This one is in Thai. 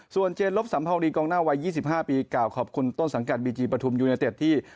ส่วนเจนลบสัมภาวรีกองหน้าวัย๒๕ปี